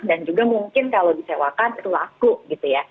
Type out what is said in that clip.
dan juga mungkin kalau disewakan itu laku gitu ya